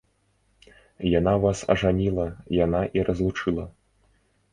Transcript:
Яна вас ажаніла, яна і разлучыла.